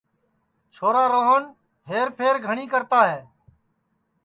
چھورا روہن ہئر پھئر گھٹؔی کرتا ہے